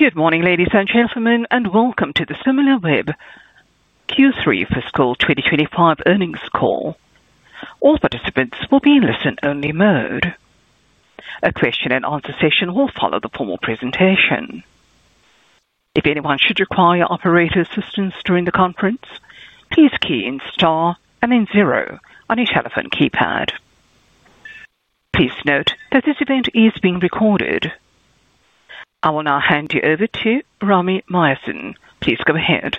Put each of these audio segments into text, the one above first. Good morning, ladies and gentlemen, and welcome to the Similarweb Q3 Fiscal 2025 earnings call. All participants will be in listen-only mode. A question-and-answer session will follow the formal presentation. If anyone should require operator assistance during the conference, please key in star and then zero on your telephone keypad. Please note that this event is being recorded. I will now hand you over to Rami Myerson. Please go ahead.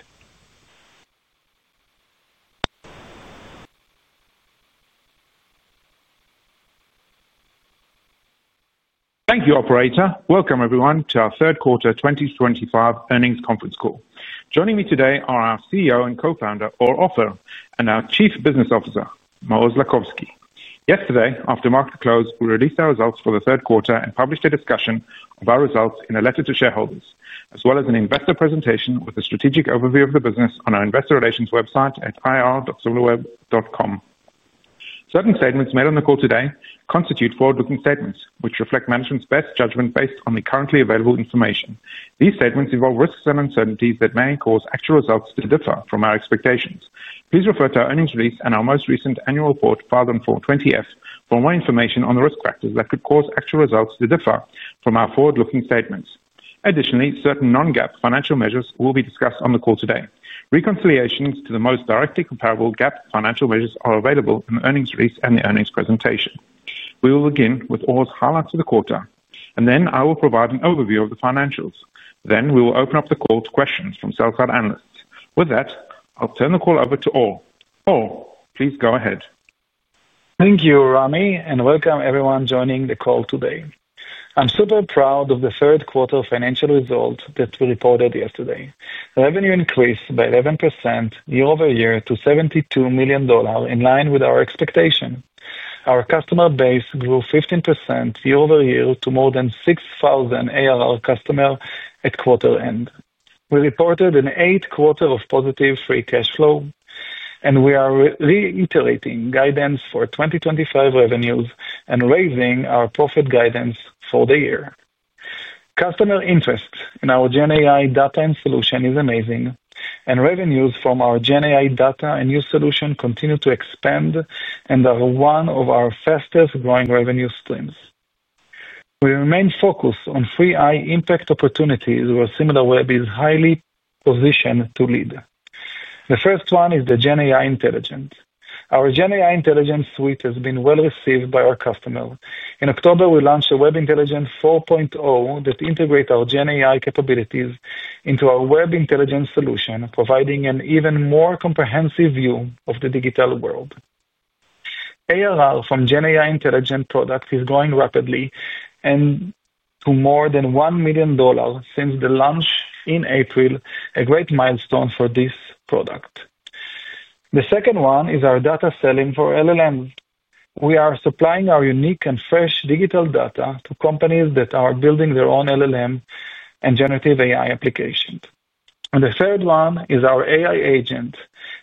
Thank you, Operator. Welcome, everyone, to our third quarter 2025 earnings conference call. Joining me today are our CEO and co-founder, Or Offer, and our Chief Business Officer, Maoz Lakovski. Yesterday, after market close, we released our results for the third quarter and published a discussion of our results in a letter to shareholders, as well as an investor presentation with a strategic overview of the business on our investor relations website at ir.similarweb.com. Certain statements made on the call today constitute forward-looking statements, which reflect management's best judgment based on the currently available information. These statements involve risks and uncertainties that may cause actual results to differ from our expectations. Please refer to our earnings release and our most recent annual report, F-20 420F, for more information on the risk factors that could cause actual results to differ from our forward-looking statements. Additionally, certain non-GAAP financial measures will be discussed on the call today. Reconciliations to the most directly comparable GAAP financial measures are available in the earnings release and the earnings presentation. We will begin with Or's highlights of the quarter, and then I will provide an overview of the financials. Then we will open up the call to questions from self-help analysts. With that, I'll turn the call over to Or, Or please go ahead. Thank you, Rami, and welcome everyone joining the call today. I'm super proud of the third quarter financial results that we reported yesterday. Revenue increased by 11% year over year to $72 million, in line with our expectation. Our customer base grew 15% year over year to more than 6,000 ARR customers at quarter end. We reported an eight-quarter of positive free cash flow, and we are reiterating guidance for 2025 revenues and raising our profit guidance for the year. Customer interest in our GenAI data and solution is amazing, and revenues from our GenAI data and new solution continue to expand and are one of our fastest growing revenue streams. We remain focused on three high-impact opportunities where Similarweb is highly positioned to lead. The first one is the GenAI Intelligence. Our GenAI Intelligence Suite has been well received by our customers. In October, we launched Web Intelligence 4.0 that integrates our GenAI capabilities into our web intelligence solution, providing an even more comprehensive view of the digital world. ARR from GenAI Intelligence products is growing rapidly to more than $1 million since the launch in April, a great milestone for this product. The second one is our data selling for LLM. We are supplying our unique and fresh digital data to companies that are building their own LLM and generative AI applications. The third one is our AI agent.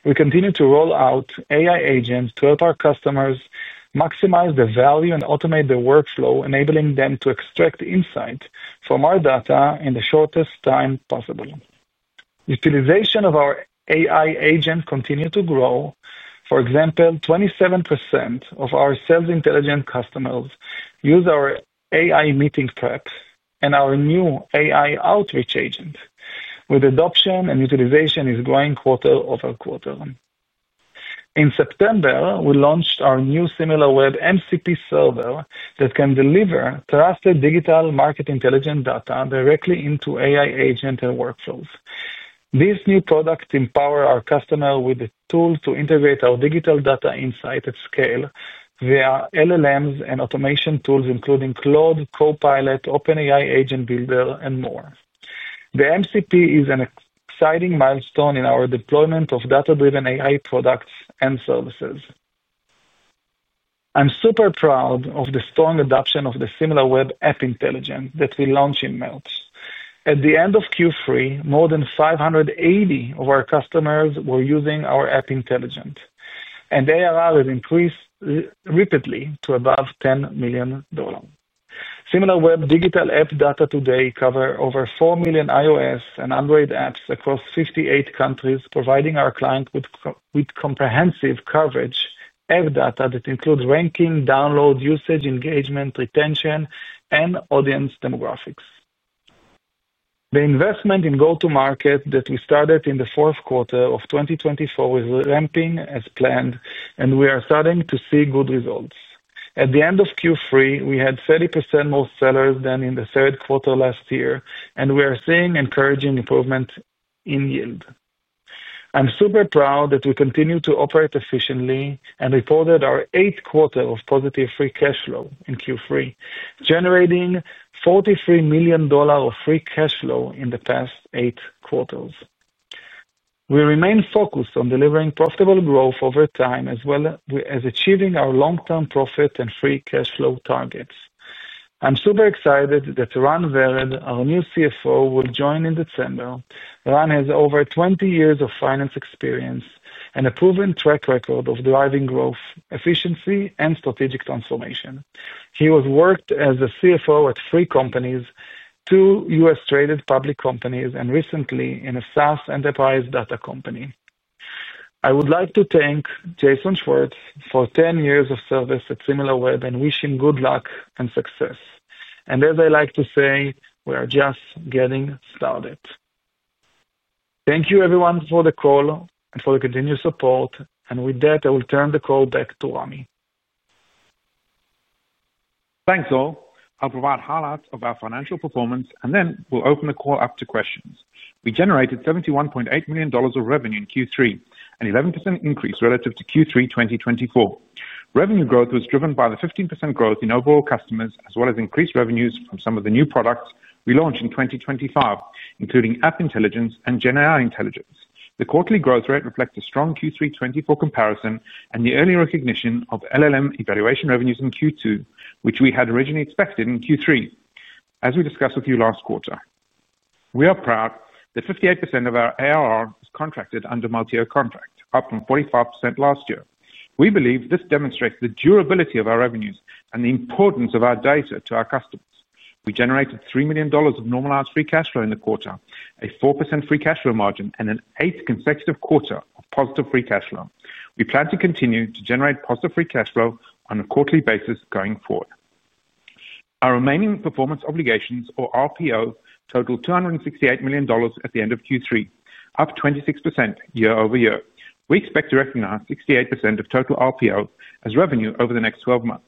We continue to roll out AI agents to help our customers maximize the value and automate the workflow, enabling them to extract insight from our data in the shortest time possible. Utilization of our AI agents continues to grow. For example, 27% of our sales intelligence customers use our AI Meeting Prep and our new AI Outreach Agent. With adoption and utilization, it is growing quarter over quarter. In September, we launched our new Similarweb MCP Server that can deliver trusted digital market intelligence data directly into AI agents and workflows. These new products empower our customers with the tools to integrate our digital data insights at scale via LLMs and automation tools, including Claude, Copilot, OpenAI Agent Builder, and more. The MCP is an exciting milestone in our deployment of data-driven AI products and services. I'm super proud of the strong adoption of the Similarweb App Intelligence that we launched in March. At the end of Q3, more than 580 of our customers were using our App Intelligence, and ARR has increased rapidly to above $10 million. Similarweb digital app data today covers over 4 million iOS and Android apps across 58 countries, providing our clients with comprehensive coverage of data that includes ranking, download usage, engagement, retention, and audience demographics. The investment in go-to-market that we started in the fourth quarter of 2024 is ramping as planned, and we are starting to see good results. At the end of Q3, we had 30% more sellers than in the third quarter last year, and we are seeing encouraging improvements in yield. I'm super proud that we continue to operate efficiently and reported our eighth quarter of positive free cash flow in Q3, generating $43 million of free cash flow in the past eight quarters. We remain focused on delivering profitable growth over time as well as achieving our long-term profit and free cash flow targets. I'm super excited that Ran Vered, our new CFO, will join in December. Ran has over 20 years of finance experience and a proven track record of driving growth, efficiency, and strategic transformation. He has worked as a CFO at three companies, two U.S.-traded public companies, and recently in a SaaS enterprise data company. I would like to thank Jason Schwartz for 10 years of service at Similarweb and wish him good luck and success. As I like to say, we are just getting started. Thank you, everyone, for the call and for the continued support. With that, I will turn the call back to Rami. Thanks, Or. I'll provide highlights of our financial performance, and then we'll open the call up to questions. We generated $71.8 million of revenue in Q3, an 11% increase relative to Q3 2024. Revenue growth was driven by the 15% growth in overall customers, as well as increased revenues from some of the new products we launched in 2024, including App Intelligence and GenAI Intelligence. The quarterly growth rate reflects a strong Q3 2024 comparison and the early recognition of LLM evaluation revenues in Q2, which we had originally expected in Q3, as we discussed with you last quarter. We are proud that 58% of our ARR is contracted under multi-year contract, up from 45% last year. We believe this demonstrates the durability of our revenues and the importance of our data to our customers. We generated $3 million of normalized free cash flow in the quarter, a 4% free cash flow margin, and an eighth consecutive quarter of positive free cash flow. We plan to continue to generate positive free cash flow on a quarterly basis going forward. Our remaining performance obligations, or RPO, totaled $268 million at the end of Q3, up 26% year over year. We expect to recognize 68% of total RPO as revenue over the next 12 months.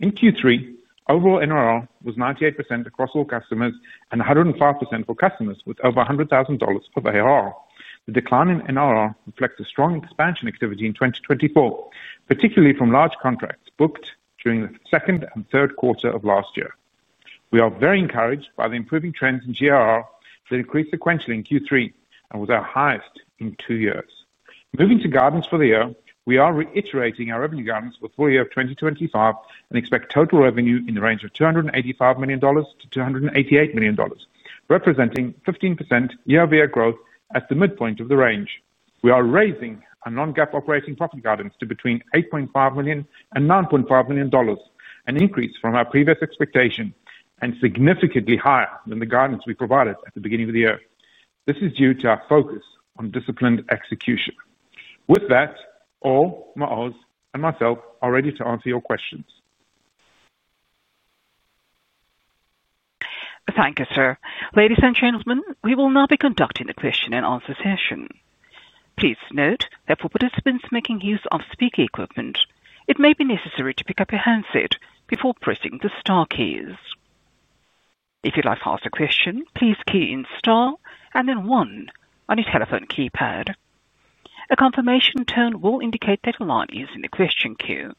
In Q3, overall NRR was 98% across all customers and 105% for customers with over $100,000 of ARR. The decline in NRR reflects a strong expansion activity in 2024, particularly from large contracts booked during the second and third quarter of last year. We are very encouraged by the improving trends in GRR that increased sequentially in Q3 and was our highest in two years. Moving to guidance for the year, we are reiterating our revenue guidance for the full year of 2025 and expect total revenue in the range of $285 million-$288 million, representing 15% year-over-year growth at the midpoint of the range. We are raising our non-GAAP operating profit guidance to between $8.5 million and $9.5 million, an increase from our previous expectation and significantly higher than the guidance we provided at the beginning of the year. This is due to our focus on disciplined execution. With that, Or, Maoz and myself are ready to answer your questions. Thank you, sir. Ladies and gentlemen, we will now be conducting the question-and-answer session. Please note that for participants making use of speaker equipment, it may be necessary to pick up your handset before pressing the star keys. If you'd like to ask a question, please key in star and then one on your telephone keypad. A confirmation tone will indicate that a line is in the question queue.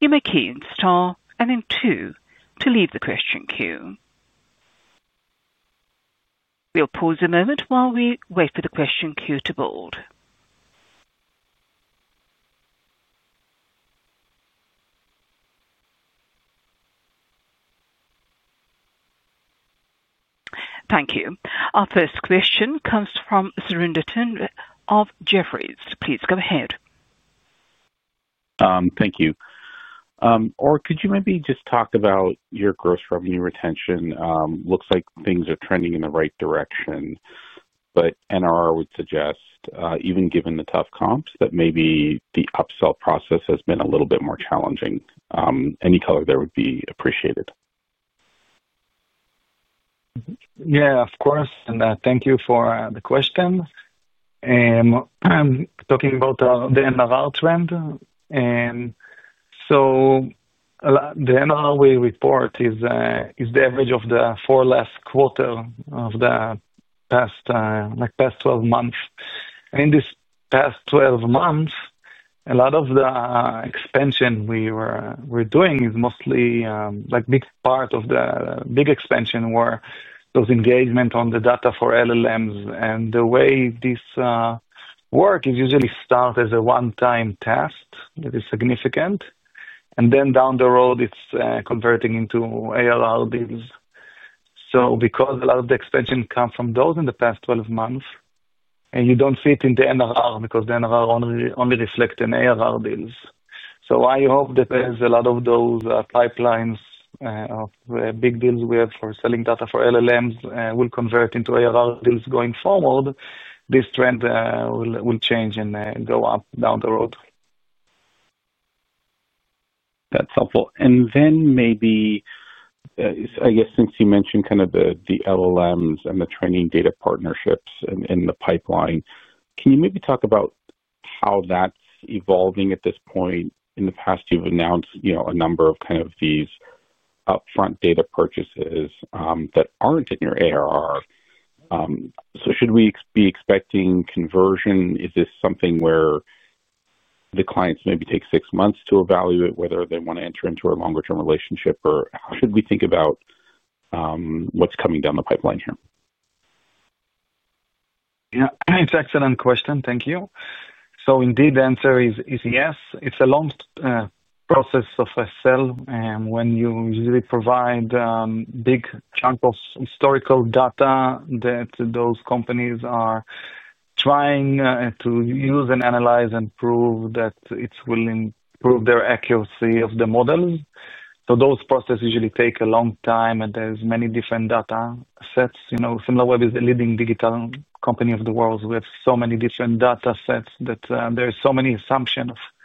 You may key in star and then two to leave the question queue. We'll pause a moment while we wait for the question queue to build. Thank you. Our first question comes from Surinder Thind of Jefferies. Please go ahead. Thank you. Or, could you maybe just talk about your gross revenue retention? Looks like things are trending in the right direction, but NRR would suggest, even given the tough comps, that maybe the upsell process has been a little bit more challenging. Any color there would be appreciated. Yeah, of course. Thank you for the question. I'm talking about the NRR trend. The NRR we report is the average of the four last quarters of the past 12 months. In this past 12 months, a lot of the expansion we were doing is mostly a big part of the big expansion were those engagements on the data for LLMs. The way this works is usually started as a one-time task that is significant. Then down the road, it's converting into ARR deals. Because a lot of the expansion comes from those in the past 12 months, you don't see it in the NRR because the NRR only reflects in ARR deals. I hope that there's a lot of those pipelines of big deals we have for selling data for LLMs will convert into ARR deals going forward. This trend will change and go up down the road. That's helpful. Maybe, I guess, since you mentioned kind of the LLMs and the training data partnerships in the pipeline, can you maybe talk about how that's evolving at this point? In the past, you've announced a number of kind of these upfront data purchases that aren't in your ARR. Should we be expecting conversion? Is this something where the clients maybe take six months to evaluate whether they want to enter into a longer-term relationship, or how should we think about what's coming down the pipeline here? Yeah, it's an excellent question. Thank you. So indeed, the answer is yes. It's a long process of sell when you usually provide a big chunk of historical data that those companies are trying to use and analyze and prove that it will improve their accuracy of the models. Those processes usually take a long time, and there's many different data sets. Similarweb is the leading digital company of the world. We have so many different data sets that there are so many assumptions and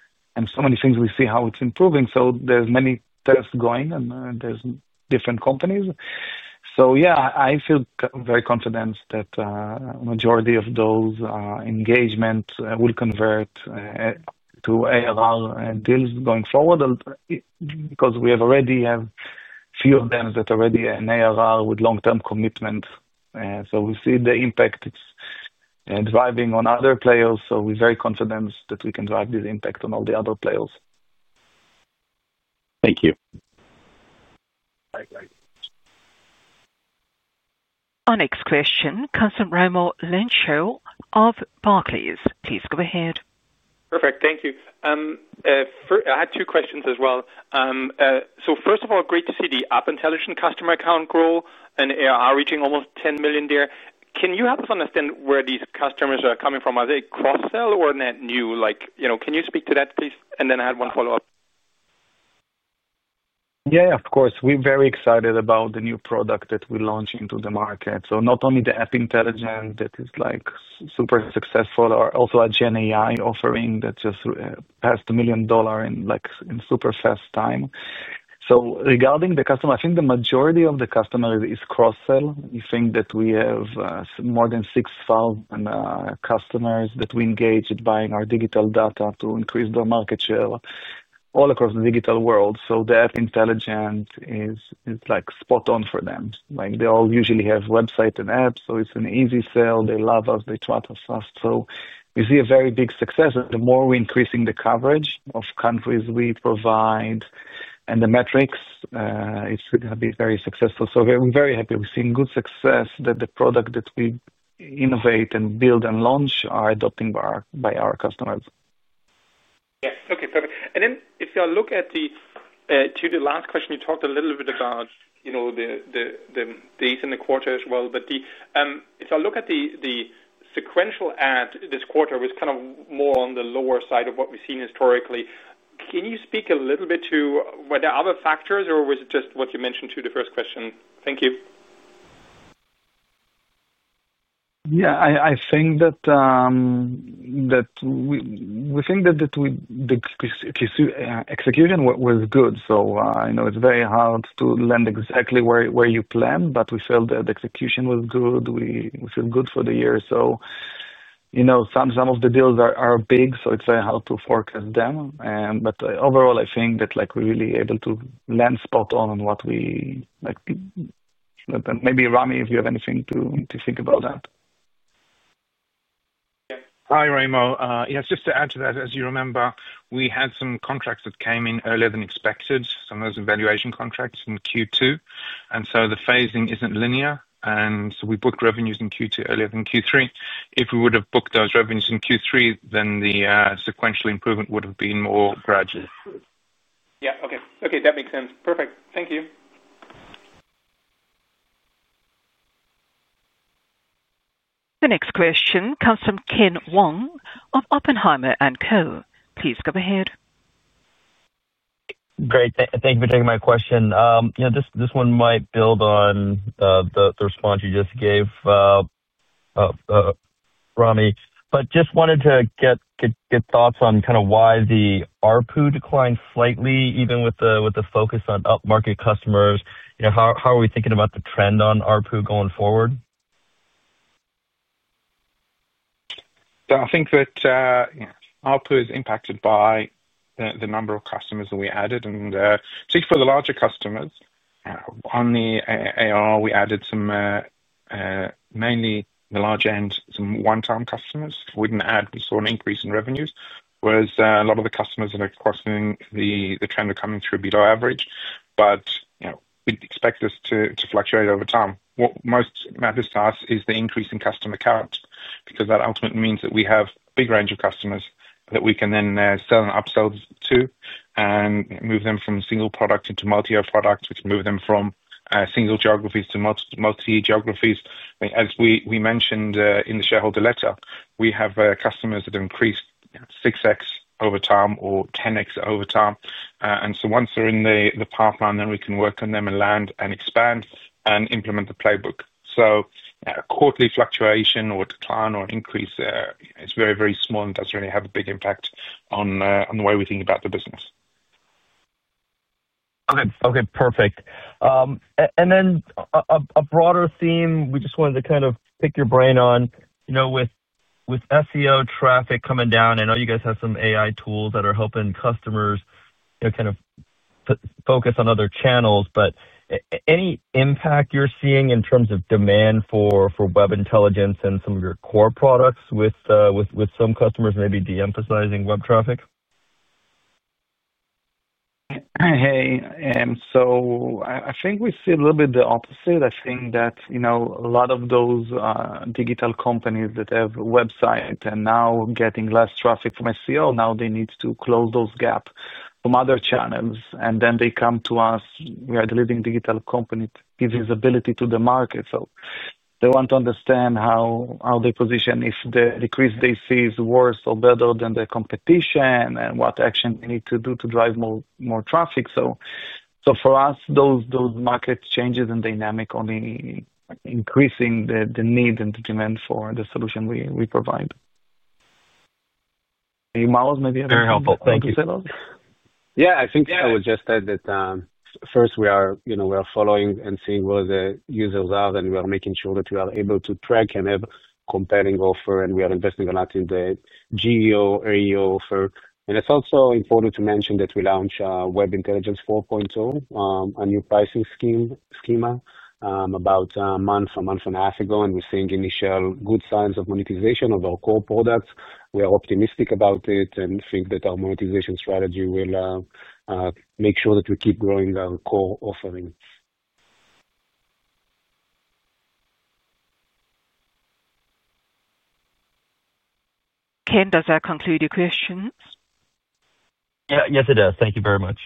so many things we see how it's improving. There's many tests going, and there's different companies. Yeah, I feel very confident that the majority of those engagements will convert to ARR deals going forward because we already have a few of them that are already in ARR with long-term commitments. We see the impact it's driving on other players. We're very confident that we can drive this impact on all the other players. Thank you. Our next question, Raimo Lenschow of Barclays. Please go ahead. Perfect. Thank you. I had two questions as well. First of all, great to see the App Intelligence customer account grow, and ARR reaching almost $10 million there. Can you help us understand where these customers are coming from? Are they cross-sell or net new? Can you speak to that, please? I had one follow-up. Yeah, of course. We're very excited about the new product that we launched into the market. Not only the App Intelligence that is super successful, but also a GenAI offering that just passed $1 million in super fast time. Regarding the customer, I think the majority of the customer is cross-sell. We think that we have more than 6,000 customers that we engage in buying our digital data to increase their market share all across the digital world. The App Intelligence is spot on for them. They all usually have websites and apps, so it's an easy sale. They love us. They trust us. We see a very big success. The more we're increasing the coverage of countries we provide and the metrics, it's going to be very successful. We're very happy. We've seen good success that the product that we innovate and build and launch are adopted by our customers. Yeah. Okay. Perfect. If you look at the two last questions, you talked a little bit about the eighth and the quarter as well. If you look at the sequential ad this quarter, it was kind of more on the lower side of what we've seen historically. Can you speak a little bit to whether there are other factors, or was it just what you mentioned to the first question? Thank you. Yeah. I think that we think that the execution was good. I know it's very hard to land exactly where you plan, but we felt that the execution was good. We feel good for the year. Some of the deals are big, so it's very hard to forecast them. Overall, I think that we're really able to land spot on on what we maybe, Rami, if you have anything to think about that. Yeah. Hi, Raimo. Yes, just to add to that, as you remember, we had some contracts that came in earlier than expected, some of those evaluation contracts in Q2. The phasing is not linear. We booked revenues in Q2 earlier than Q3. If we would have booked those revenues in Q3, then the sequential improvement would have been more gradual. Yeah. Okay. Okay. That makes sense. Perfect. Thank you. The next question comes from Ken Wong of Oppenheimer & Co. Please go ahead. Great. Thank you for taking my question. This one might build on the response you just gave, Rami. Just wanted to get thoughts on kind of why the RPU declined slightly, even with the focus on up-market customers. How are we thinking about the trend on RPU going forward? I think that RPU is impacted by the number of customers that we added. Particularly for the larger customers, on the ARR, we added some mainly the large end, some one-time customers. We did not add, but we saw an increase in revenues, whereas a lot of the customers that are crossing the trend are coming through below average. We expect this to fluctuate over time. What most matters to us is the increase in customer count because that ultimately means that we have a big range of customers that we can then sell and upsell to and move them from single product into multi-year products. We can move them from single geographies to multi-year geographies. As we mentioned in the shareholder letter, we have customers that have increased 6x over time or 10x over time. Once they're in the pipeline, then we can work on them and land and expand and implement the playbook. Quarterly fluctuation or decline or increase is very, very small and doesn't really have a big impact on the way we think about the business. Okay. Okay. Perfect. Then a broader theme we just wanted to kind of pick your brain on. With SEO traffic coming down, I know you guys have some AI tools that are helping customers kind of focus on other channels. Any impact you're seeing in terms of demand for web intelligence and some of your core products with some customers maybe de-emphasizing web traffic? Hey. I think we see a little bit the opposite. I think that a lot of those digital companies that have websites are now getting less traffic from SEO. Now they need to close those gaps from other channels. They come to us. We are the leading digital company. Give visibility to the market. They want to understand how they position, if the decrease they see is worse or better than the competition, and what action they need to do to drive more traffic. For us, those market changes and dynamic only increasing the need and demand for the solution we provide. Maoz maybe you have something to say about that? Very helpful. Thank you. Yeah. I think I would just add that first, we are following and seeing where the users are, and we are making sure that we are able to track and have a compelling offer. We are investing a lot in the GEO, AEO offer. It is also important to mention that we launched Web Intelligence 4.0, a new pricing schema about a month or a month and a half ago. We are seeing initial good signs of monetization of our core products. We are optimistic about it and think that our monetization strategy will make sure that we keep growing our core offerings. Ken, does that conclude your questions? Yes, it does. Thank you very much.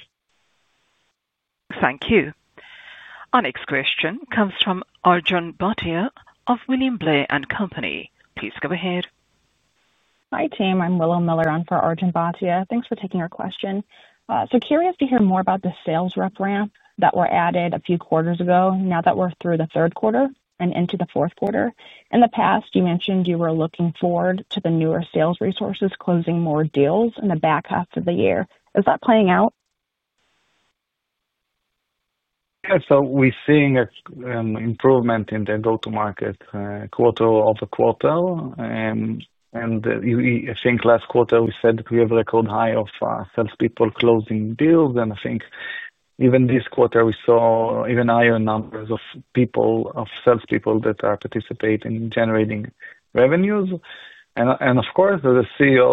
Thank you. Our next question comes from Arjun Bhatia of William Blair & Company. Please go ahead. Hi, team. I'm Willow Miller in for Arjun Bhatia. Thanks for taking our question. So curious to hear more about the sales rep ramp that was added a few quarters ago now that we're through the third quarter and into the fourth quarter. In the past, you mentioned you were looking forward to the newer sales resources closing more deals in the back half of the year. Is that playing out? Yeah. We are seeing an improvement in the go-to-market quarter over quarter. I think last quarter, we said that we have a record high of salespeople closing deals. I think even this quarter, we saw even higher numbers of salespeople that are participating in generating revenues. Of course, as a CEO,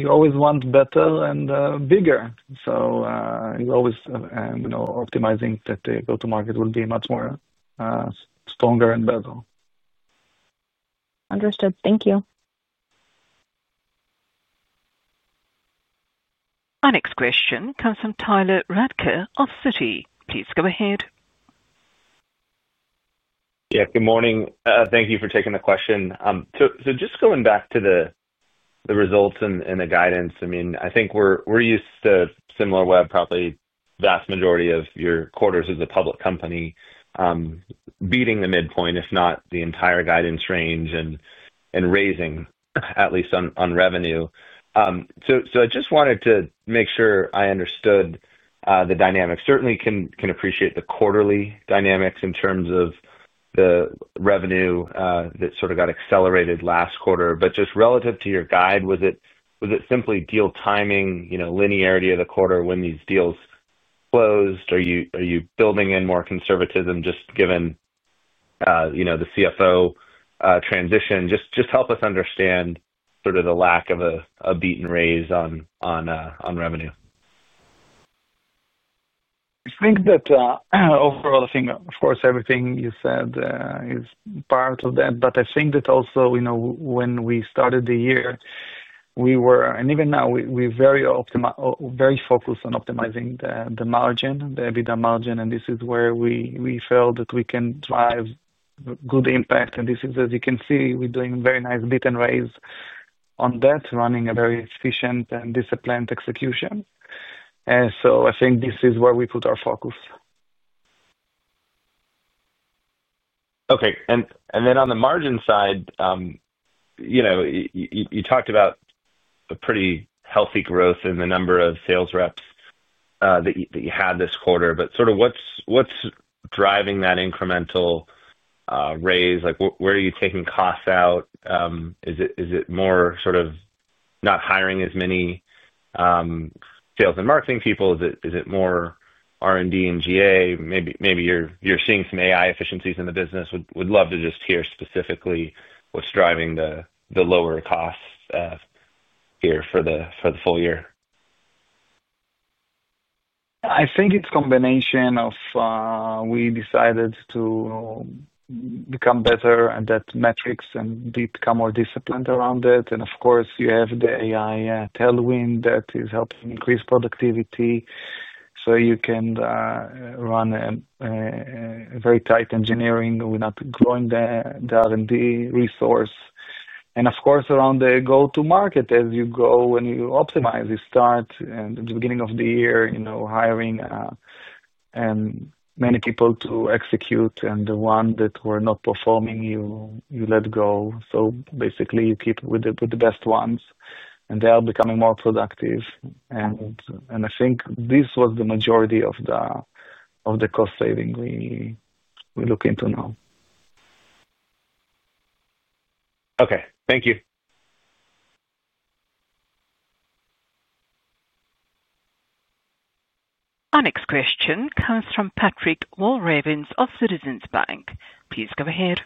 you always want better and bigger. You are always optimizing that the go-to-market will be much stronger and better. Understood. Thank you. Our next question comes from Tyler Radke of Citi. Please go ahead. Yeah. Good morning. Thank you for taking the question. Just going back to the results and the guidance, I mean, I think we're used to Similarweb, probably the vast majority of your quarters as a public company, beating the midpoint, if not the entire guidance range, and raising, at least on revenue. I just wanted to make sure I understood the dynamics. Certainly can appreciate the quarterly dynamics in terms of the revenue that sort of got accelerated last quarter. Just relative to your guide, was it simply deal timing, linearity of the quarter when these deals closed? Are you building in more conservatism just given the CFO transition? Help us understand sort of the lack of a beat and raise on revenue. I think that overall, I think, of course, everything you said is part of that. I think that also when we started the year, we were and even now, we're very focused on optimizing the margin, the EBITDA margin. This is where we felt that we can drive good impact. This is, as you can see, we're doing very nice beat and raise on that, running a very efficient and disciplined execution. I think this is where we put our focus. Okay. On the margin side, you talked about a pretty healthy growth in the number of sales reps that you had this quarter. But sort of what's driving that incremental raise? Where are you taking costs out? Is it more sort of not hiring as many sales and marketing people? Is it more R&D and G&A? Maybe you're seeing some AI efficiencies in the business. Would love to just hear specifically what's driving the lower costs here for the full year. I think it's a combination of we decided to become better at that metrics and become more disciplined around it. Of course, you have the AI tailwind that is helping increase productivity so you can run a very tight engineering without growing the R&D resource. Of course, around the go-to-market, as you go and you optimize, you start at the beginning of the year hiring many people to execute. The ones that were not performing, you let go. Basically, you keep with the best ones, and they are becoming more productive. I think this was the majority of the cost saving we look into now. Okay. Thank you. Our next question comes from Patrick Walravens of Citizens Bank. Please go ahead.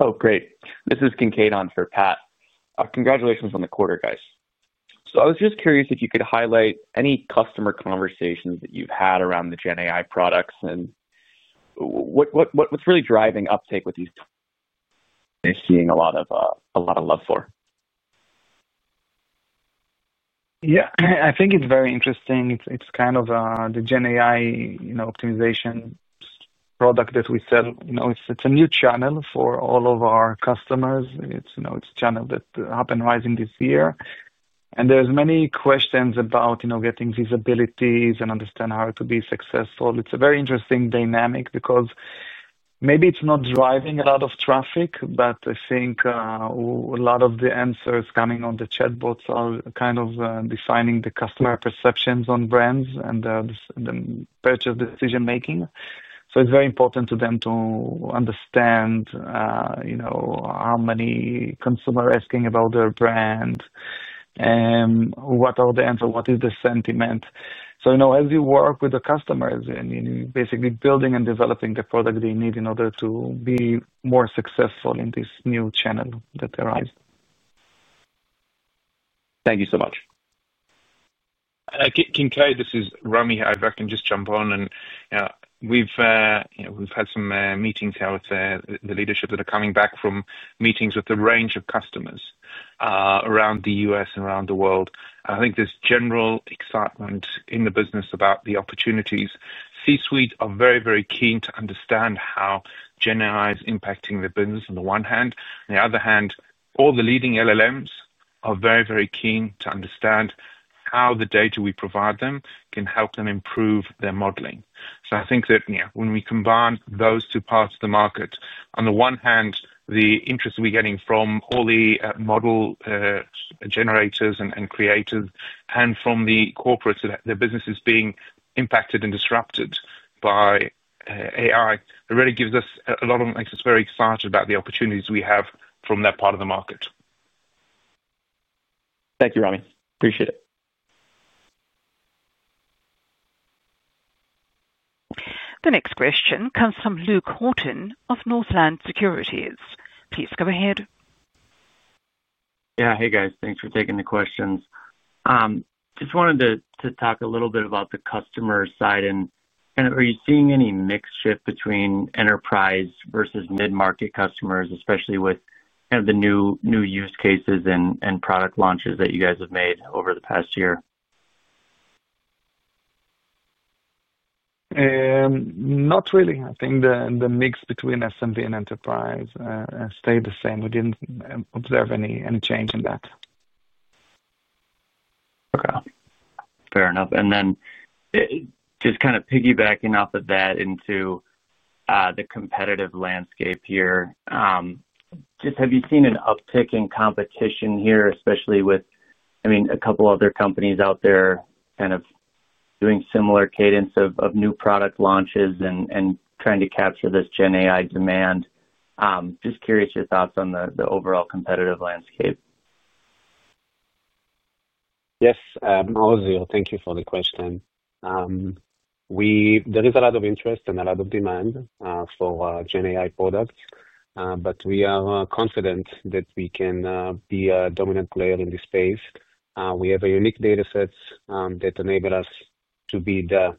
Oh, great. This is Kincaid on for Pat. Congratulations on the quarter, guys. I was just curious if you could highlight any customer conversations that you've had around the GenAI products and what's really driving uptake with these? Is seeing a lot of love for? Yeah. I think it's very interesting. It's kind of the GenAI optimization product that we sell. It's a new channel for all of our customers. It's a channel that's up and rising this year. There are many questions about getting visibilities and understanding how to be successful. It's a very interesting dynamic because maybe it's not driving a lot of traffic, but I think a lot of the answers coming on the chatbots are kind of defining the customer perceptions on brands and the purchase decision-making. It is very important to them to understand how many customers are asking about their brand and what are the answers, what is the sentiment. As you work with the customers, and you're basically building and developing the product they need in order to be more successful in this new channel that arises. Thank you so much. Kincaid, this is Rami here. If I can just jump on. We have had some meetings out there. The leadership are coming back from meetings with a range of customers around the U.S. and around the world. I think there is general excitement in the business about the opportunities. C-suites are very, very keen to understand how GenAI is impacting the business on the one hand. On the other hand, all the leading LLMs are very, very keen to understand how the data we provide them can help them improve their modeling. I think that when we combine those two parts of the market, on the one hand, the interest we're getting from all the model generators and creators, and from the corporates that the business is being impacted and disrupted by AI, it really gives us a lot of makes us very excited about the opportunities we have from that part of the market. Thank you, Rami. Appreciate it. The next question comes from Luke Horton of Northland Securities. Please go ahead. Yeah. Hey, guys. Thanks for taking the questions. Just wanted to talk a little bit about the customer side. Are you seeing any mixed shift between enterprise versus mid-market customers, especially with kind of the new use cases and product launches that you guys have made over the past year? Not really. I think the mix between SMB and enterprise stayed the same. We didn't observe any change in that. Okay. Fair enough. And then just kind of piggybacking off of that into the competitive landscape here, just have you seen an uptick in competition here, especially with, I mean, a couple of other companies out there kind of doing similar cadence of new product launches and trying to capture this GenAI demand? Just curious your thoughts on the overall competitive landscape. Yes. I was here. Thank you for the question. There is a lot of interest and a lot of demand for GenAI products, but we are confident that we can be a dominant player in this space. We have a unique dataset that enables us to be the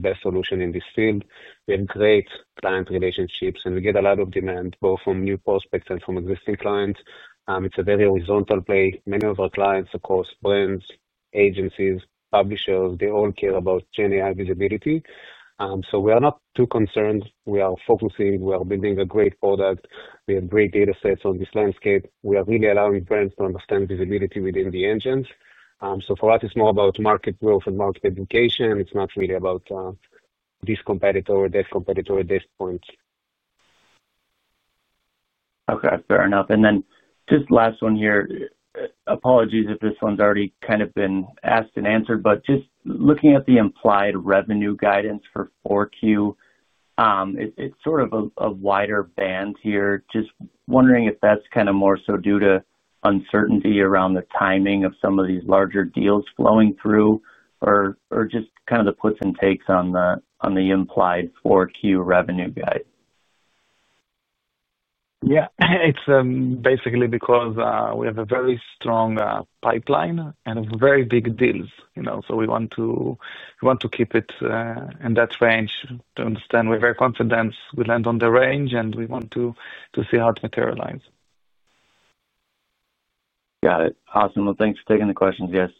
best solution in this field. We have great client relationships, and we get a lot of demand both from new prospects and from existing clients. It's a very horizontal play. Many of our clients, of course, brands, agencies, publishers, they all care about GenAI visibility. We are not too concerned. We are focusing. We are building a great product. We have great datasets on this landscape. We are really allowing brands to understand visibility within the engines. For us, it's more about market growth and market education. It's not really about this competitor or that competitor at this point. Okay. Fair enough. Then just last one here. Apologies if this one's already kind of been asked and answered, but just looking at the implied revenue guidance for Q4, it's sort of a wider band here. Just wondering if that's kind of more so due to uncertainty around the timing of some of these larger deals flowing through, or just kind of the puts and takes on the implied Q4 revenue guide. Yeah. It's basically because we have a very strong pipeline and very big deals. We want to keep it in that range to understand we're very confident we land on the range, and we want to see how it materializes. Got it. Awesome. Thanks for taking the questions. Yes.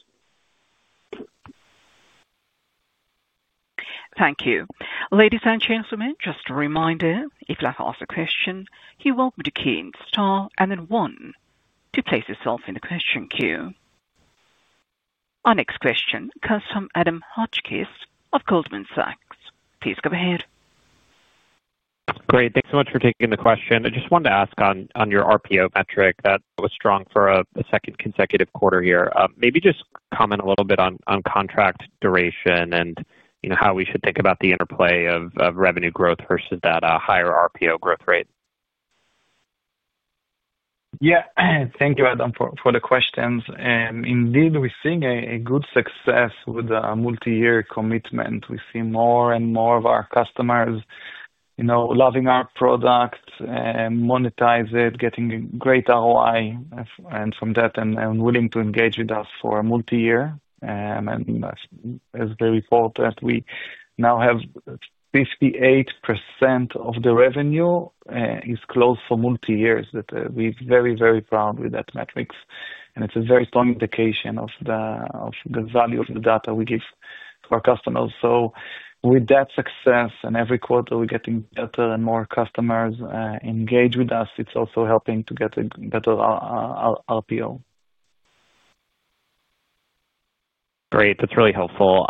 Thank you. Ladies and gentlemen, just a reminder, if you'd like to ask a question, you're welcome to key in star and then one to place yourself in the question queue. Our next question comes from Adam Hotchkiss of Goldman Sachs. Please go ahead. Great. Thanks so much for taking the question. I just wanted to ask on your RPO metric that was strong for the second consecutive quarter here. Maybe just comment a little bit on contract duration and how we should think about the interplay of revenue growth versus that higher RPO growth rate. Yeah. Thank you, Adam, for the questions. Indeed, we're seeing a good success with the multi-year commitment. We see more and more of our customers loving our product, monetize it, getting great ROI from that, and willing to engage with us for a multi-year. As the report that we now have, 58% of the revenue is closed for multi-years. We're very, very proud with that metrics. It is a very strong indication of the value of the data we give to our customers. With that success, and every quarter, we're getting better and more customers engaged with us, it's also helping to get a better RPO. Great. That's really helpful.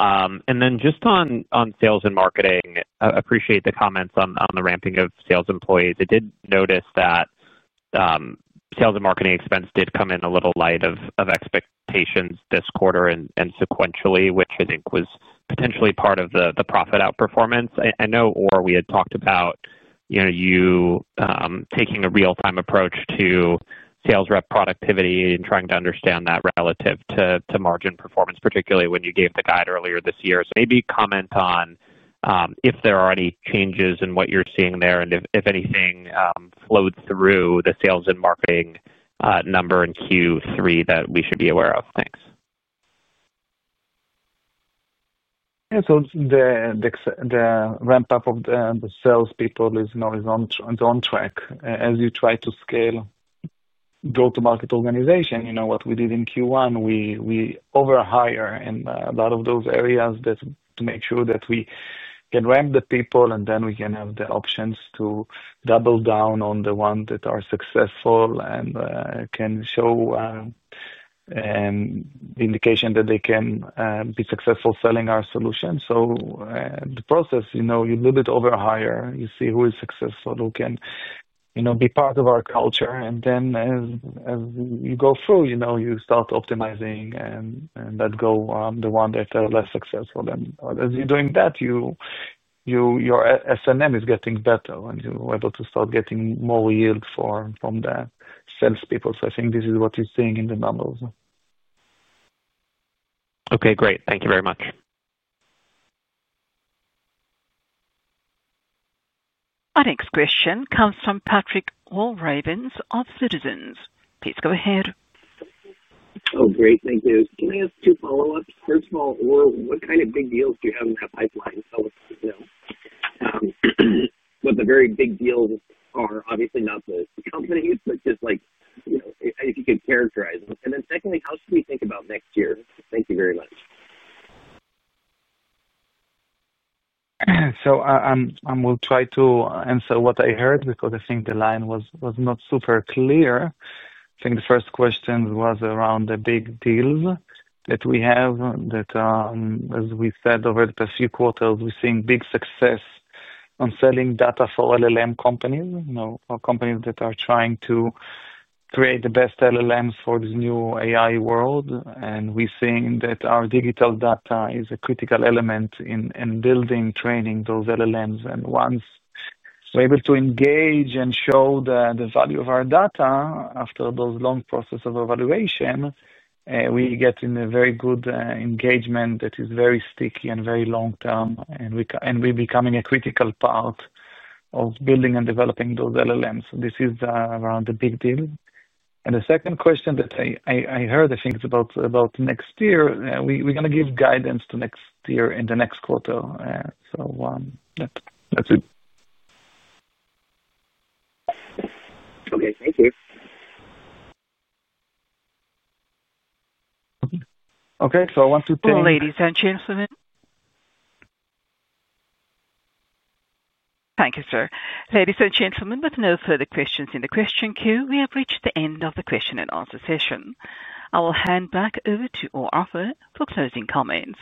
Then just on sales and marketing, I appreciate the comments on the ramping of sales employees. I did notice that sales and marketing expense did come in a little light of expectations this quarter and sequentially, which I think was potentially part of the profit outperformance. I know Or, we had talked about you taking a real-time approach to sales rep productivity and trying to understand that relative to margin performance, particularly when you gave the guide earlier this year. Maybe comment on if there are any changes in what you're seeing there, and if anything flowed through the sales and marketing number in Q3 that we should be aware of. Thanks. Yeah. The ramp-up of the salespeople is on track. As you try to scale go-to-market organization, what we did in Q1, we overhire in a lot of those areas to make sure that we can ramp the people, and then we can have the options to double down on the ones that are successful and can show the indication that they can be successful selling our solution. The process, you do a bit overhire. You see who is successful, who can be part of our culture. Then as you go through, you start optimizing and let go of the ones that are less successful. As you're doing that, your S&M is getting better, and you're able to start getting more yield from the salespeople. I think this is what you're seeing in the numbers. Okay. Great. Thank you very much. Our next question comes from Patrick Walravens of Citizens. Please go ahead. Oh, great. Thank you. Can I ask two follow-ups? First of all, Or, what kind of big deals do you have in that pipeline? What the very big deals are, obviously not the companies, but just if you could characterize them. Then secondly, how should we think about next year? Thank you very much. I will try to answer what I heard because I think the line was not super clear. I think the first question was around the big deals that we have that, as we said, over the past few quarters, we're seeing big success on selling data for LLM companies or companies that are trying to create the best LLMs for this new AI world. We're seeing that our digital data is a critical element in building and training those LLMs. Once we're able to engage and show the value of our data after those long processes of evaluation, we get in a very good engagement that is very sticky and very long-term, and we're becoming a critical part of building and developing those LLMs. This is around the big deals. The second question that I heard, I think, is about next year. We're going to give guidance to next year in the next quarter. That's it. Okay. Thank you. Okay. So I want to take. Or, ladies and gentlemen. Thank you, sir. Ladies and gentlemen, with no further questions in the question queue, we have reached the end of the question-and-answer session. I will hand back over to Or Offer for closing comments.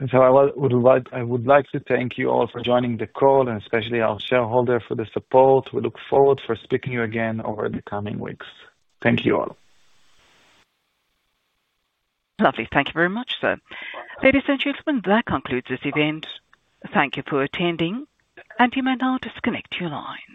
I would like to thank you all for joining the call, and especially our shareholder for the support. We look forward to speaking to you again over the coming weeks. Thank you all. Lovely. Thank you very much, sir. Ladies and gentlemen, that concludes this event. Thank you for attending, and you may now disconnect your line.